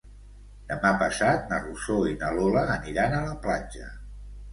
Demà passat na Rosó i na Lola aniran a la platja.